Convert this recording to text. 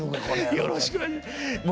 よろしくお願いします。